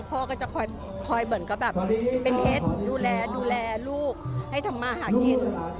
พ่อก็จะคอยเหมือนก็แบบเป็นเท็จดูแลดูแลลูกให้ทำมาหากิน